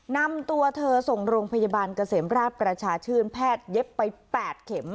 นำตัวเธอส่งโรงพยาบาลเกษมราชประชาชื่นแพทย์เย็บไป๘เข็ม